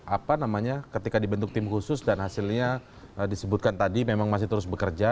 apa namanya ketika dibentuk tim khusus dan hasilnya disebutkan tadi memang masih terus bekerja